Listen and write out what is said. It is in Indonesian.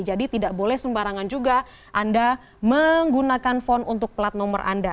jadi tidak boleh sembarangan juga anda menggunakan font untuk plat nomor anda